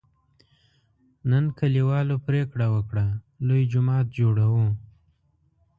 نن کلیوالو پرېکړه وکړه: لوی جومات جوړوو.